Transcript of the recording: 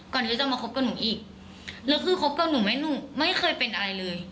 ก่อนที่จะมาคบกับหนูอีกแล้วคือคบกับหนูไม่หนูไม่เคยเป็นอะไรเลย